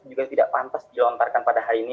juga tidak pantas dilontarkan pada hari ini